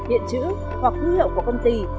hiện chữ hoặc ký hiệu của công ty